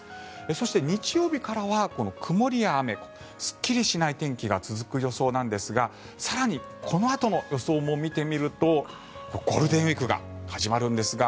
そして、日曜日からは曇りや雨、すっきりしない天気が続く予想なんですが更にこのあとの予想も見てみるとゴールデンウィークが始まるんですが。